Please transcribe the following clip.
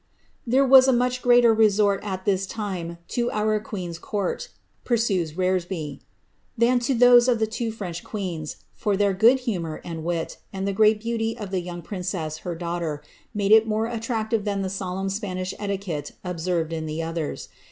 ^' There was a nrach greater resort at this time to our queen's court," pursues Reresby, than to those of the two French queens, for her good humour and wit, and the great beauty of the young princess, her daughter, made it more attractive than the solemn Spanish etiquette observed in the others.